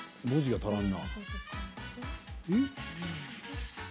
文字が足らんな。